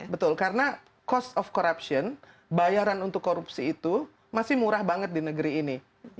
betul karena cost of corruption bayaran untuk korupsi itu masih murah banget di negeri ini